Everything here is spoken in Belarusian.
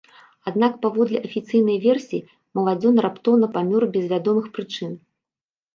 Аднак паводле афіцыйнай версіі, маладзён раптоўна памёр без вядомых прычын.